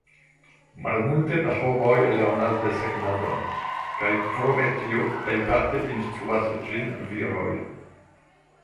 Malmulte da homoj lernas desegnadon, kaj krom tio plejparte instruas ĝin viroj.